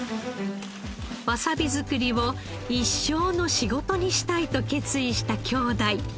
わさび作りを一生の仕事にしたいと決意した兄弟。